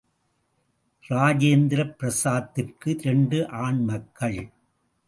இராஜேந்திர பிரசாத்திற்கு இரண்டு ஆண் மக்கள்.